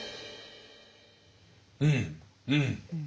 うんうん。